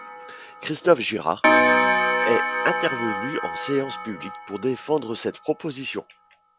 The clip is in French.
Christophe Girard est intervenu en séance publique pour défendre cette proposition.